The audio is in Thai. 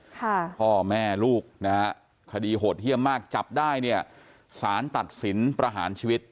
พ่อแม่ลูกนะฮะคดีโหดเยี่ยมมากจับได้เนี่ยสารตัดสินประหารชีวิต